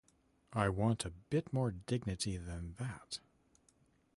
I want a bit more dignity than that.